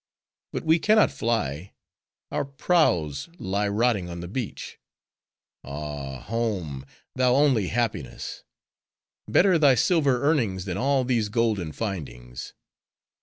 But we can not fly; our prows lie rotting on the beach. Ah! home! thou only happiness!—better thy silver earnings than all these golden findings.